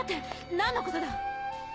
何のことだ